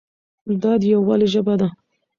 دا د یووالي ژبه ده.